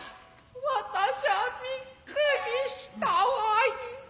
私しゃびっくりしたわいな。